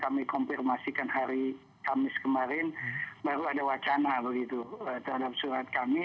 kami konfirmasikan hari kamis kemarin baru ada wacana begitu terhadap surat kami